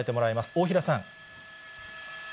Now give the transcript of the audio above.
大平さん。